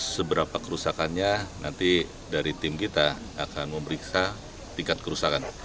seberapa kerusakannya nanti dari tim kita akan memeriksa tingkat kerusakan